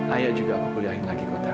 ayah juga mau kuliahin lagi kota